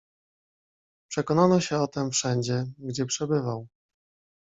"Przekonano się o tem wszędzie, gdzie przebywał."